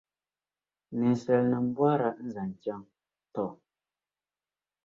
Ninsalinim’ bɔhiri a n-zaŋ chaŋ, tɔ!